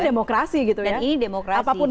demokrasi gitu ya dan ini demokrasi apapun